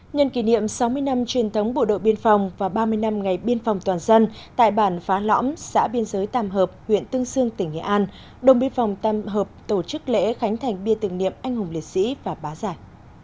nhân kỷ niệm sáu mươi năm truyền thống bộ đội biên phòng và ba mươi năm ngày biên phòng toàn dân tại bản phá lõm xã biên giới tàm hợp huyện tương sương tỉnh nghệ an đồng biên phòng tàm hợp tổ chức lễ khánh thành bia tưởng niệm anh hùng liệt sĩ và bá giải